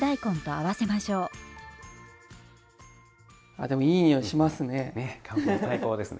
ああでもいい匂いしますね。